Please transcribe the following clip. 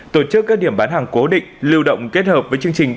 tổ chức các điểm bán hàng cố định lưu động kết hợp với chương trình